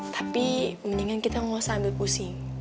tapi mendingan kita gausah ambil pusing